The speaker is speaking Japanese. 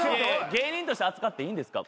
芸人として扱っていいんですか？